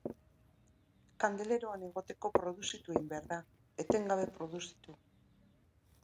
Kandeleroan egoteko produzitu egin behar da, etengabe produzitu.